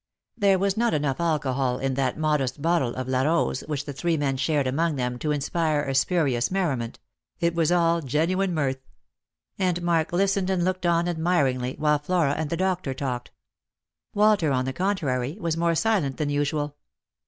There was not enough alcohol in that modest bottle of La Rose which the three men shared among them to inspire a spurious merriment ■— it was all genuine mirth ; and Mark listened and looked on admiringly, while Flora and the doctor talked. Walter, on the contrary, was more silent than usual.